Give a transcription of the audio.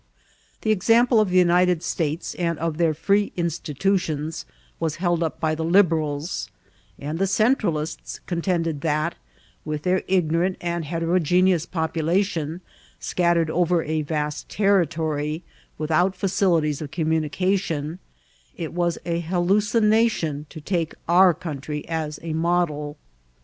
The example of the United States and of their free institutions vras held up by the Liberals; and the Centralists contended that, with their ignorant and heterogeneous population, scat tered over a vast territory, without facilities of commu nication, it was a hallucination to take our country as a model.